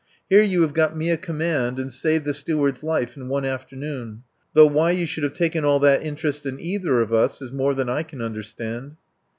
Here you have got me a command and saved the Steward's life in one afternoon. Though why you should have taken all that interest in either of us is more than I can understand."